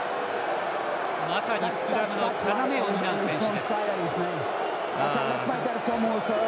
まさにスクラムの要を担う選手。